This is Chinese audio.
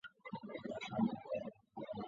率大湟江一带会众赴金田参加起义。